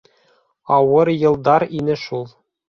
Ауыр йылдар ине шул.